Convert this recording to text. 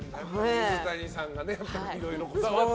水谷さんがいろいろこだわって。